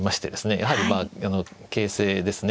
やはり形勢ですね